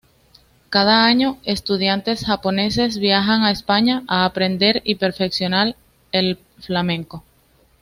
Cada año, estudiantes japoneses viajan a España a aprender y perfeccionar el flamenco.